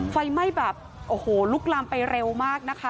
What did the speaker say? ไฟไหม้แบบโอ้โหลุกลามไปเร็วมากนะคะ